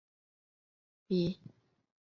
鼻肢闽溪蟹为溪蟹科闽溪蟹属的动物。